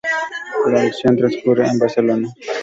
La acción transcurre en Barcelona.